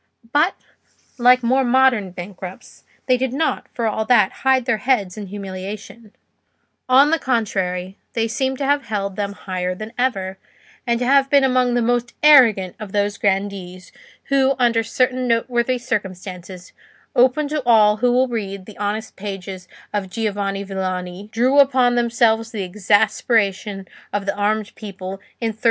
But, like more modern bankrupts, they did not, for all that, hide their heads in humiliation; on the contrary, they seemed to have held them higher than ever, and to have been among the most arrogant of those grandees, who under certain noteworthy circumstances, open to all who will read the honest pages of Giovanni Villani, drew upon themselves the exasperation of the armed people in 1343.